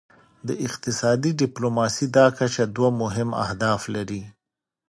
د اقتصادي ډیپلوماسي دا کچه دوه مهم اهداف لري